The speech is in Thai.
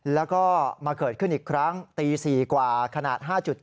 แล้วก็มาเกิดขึ้นอีกครั้งตี๔กว่าขนาด๕๗